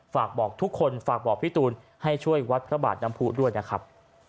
ฝากบอกทุกคนฝากบอกพี่ตูนให้ช่วยวัดพระบาทน้ำผู้ด้วยนะครับ